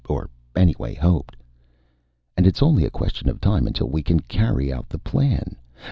Or anyway hoped. " and its only a question of time until we can carry out the plan.